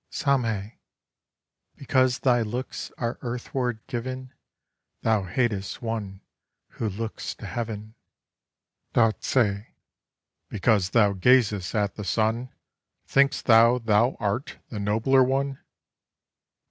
SAMHÉ: 'Because thy looks are earthward given Thou hatest one who looks to Heaven.' DARZÉ: 'Because thou gazest at the Sun Think'st thou thou art the nobler one?